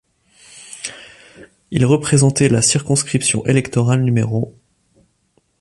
Il représentait la circonscription électorale No.